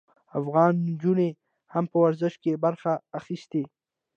افغان نجونو هم په ورزش کې برخه اخیستې.